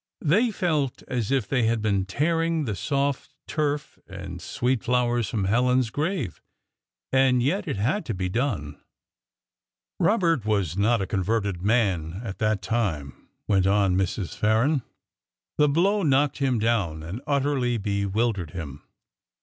They felt as if they had been tearing the soft turf and sweet flowers from Helen's grave; and yet it had to be done. "Robert was not a converted man at that time," went on Mrs. Farren. "The blow knocked him down, and utterly bewildered him.